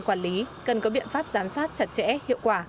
quản lý cần có biện pháp giám sát chặt chẽ hiệu quả